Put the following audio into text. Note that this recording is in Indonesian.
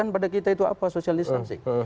pada kita itu apa social distancing